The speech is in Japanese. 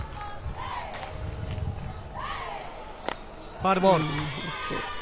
ファウルボール。